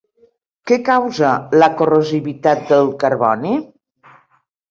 Què causa la corrosivitat del carboni?